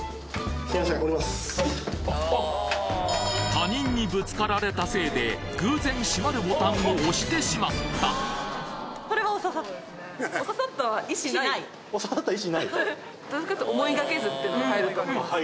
他人にぶつかられたせいで偶然閉まるボタンを押してしまった押ささったは意志ない？